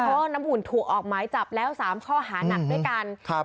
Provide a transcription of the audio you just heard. เพราะน้ำอุ่นถูกออกไม้จับแล้ว๓ข้อหาหนักด้วยกัน